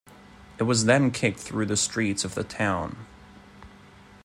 It was then kicked through the streets of the town.